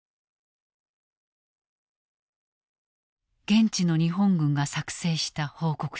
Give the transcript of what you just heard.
現地の日本軍が作成した報告書。